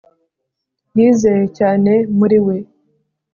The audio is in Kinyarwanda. Yizeye cyane muri we